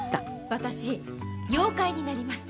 私妖怪になります。